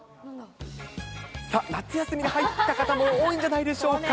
夏休みに入った方も多いんじゃないでしょうか。